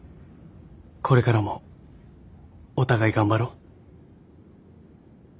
これからもお互い頑張ろう。